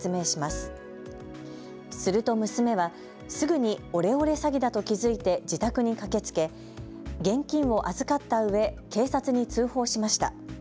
すると娘はすぐにオレオレ詐欺だと気付いて自宅に駆けつけ、現金を預かったうえ警察に通報しました。